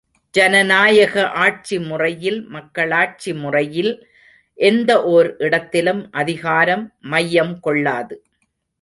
ஜனநாயக ஆட்சி முறையில் மக்களாட்சி முறையில் எந்த ஓர் இடத்திலும் அதிகாரம், மையம் கொள்ளாது.